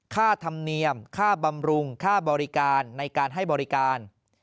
ค่าธรรมเนียมค่าบำรุงค่าบริการในการให้บริการ